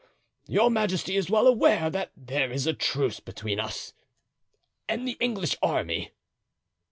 "Your majesty is well aware that there is a truce between us and the English army."